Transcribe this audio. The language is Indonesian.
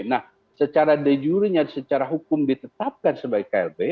nah secara de jurinya secara hukum ditetapkan sebagai klb